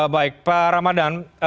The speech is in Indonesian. baik pak ramadhan